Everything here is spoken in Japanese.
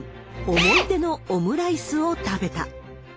思い出のオムライスを食べた。